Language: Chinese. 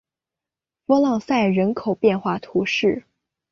弗朗赛人口变化图示